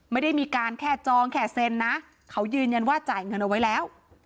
ไม่ได้มีการแค่จองแค่เซ็นนะเขายืนยันว่าจ่ายเงินเอาไว้แล้ว